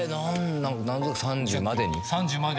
何となく」「３０までに」